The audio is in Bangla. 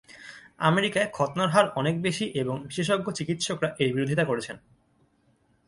আমেরিকায় খৎনার হার অনেক বেশি, এবং বিশেষজ্ঞ চিকিৎসকরা এর বিরোধিতা করেছেন।